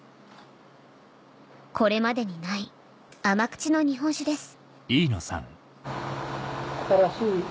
これまでにない甘口の日本酒です